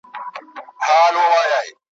سمندر، سیندونه ډک سول له ماهیانو ,